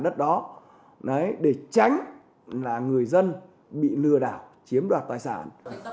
tránh là người dân bị lừa đảo chiếm đoạt tài sản